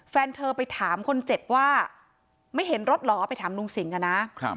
แฟนเธอไปถามคนเจ็บว่าไม่เห็นรถเหรอไปถามลุงสิงอ่ะนะ